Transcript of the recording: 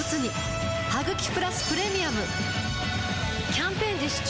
キャンペーン実施中